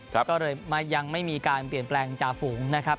ก็เลยยังไม่มีการเปลี่ยนแปลงจาฝูงนะครับ